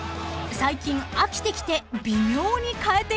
［最近飽きてきて微妙に変えているんだとか］